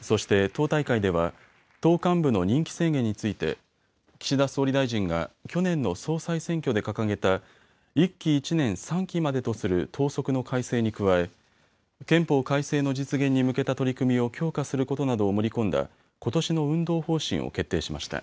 そして党大会では党幹部の任期制限について岸田総理大臣が去年の総裁選挙で掲げた１期１年３期までとする党則の改正に加え憲法改正の実現に向けた取り組みを強化することなどを盛り込んだことしの運動方針を決定しました。